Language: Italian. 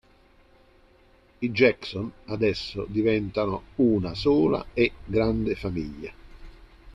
I Jackson, adesso, diventano una sola e grande famiglia.